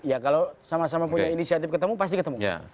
ya kalau sama sama punya inisiatif ketemu pasti ketemu